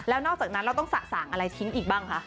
แล้วนอกจากนั้นเราต้องสะสางอะไรทิ้งอีกบ้างคะ